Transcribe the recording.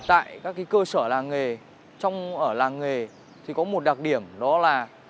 tại các cái cơ sở làng nghề trong làng nghề thì có một đặc điểm đó là